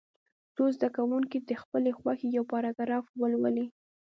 څو زده کوونکي دې د خپلې خوښې یو پاراګراف ولولي.